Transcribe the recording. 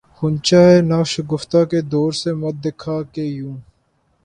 غنچۂ ناشگفتہ کو دور سے مت دکھا کہ یوں